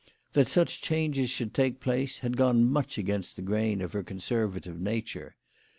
That such changes should take place had gone much against the grain of her conservative nature.